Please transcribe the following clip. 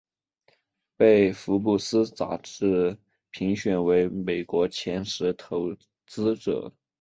被福布斯杂志评选为美国前十投资者。